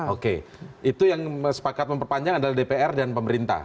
oke itu yang sepakat memperpanjang adalah dpr dan pemerintah